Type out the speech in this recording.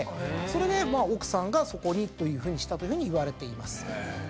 それで奥さんがそこにというふうにしたといわれています。